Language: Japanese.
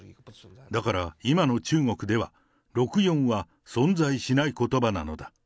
だから今の中国では、六四は存在しないことばなのだ。